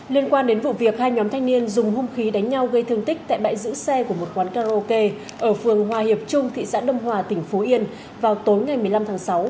liên quan đến vụ việc hai nhóm thanh niên dùng hung khí đánh nhau gây thương tích tại bãi giữ xe của một quán karaoke ở phường hòa hiệp trung thị xã đông hòa tỉnh phú yên vào tối ngày một mươi năm tháng sáu